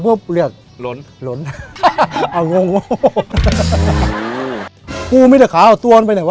ปุ๊บเรียกหลนหลนอ่ะงงอ่ะพูดมิตรขาเอาตัวอันไปไหนวะ